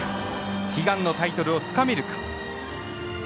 悲願のタイトルをつかめるか。